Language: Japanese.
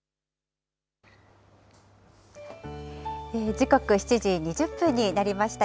時刻７時２０分になりました。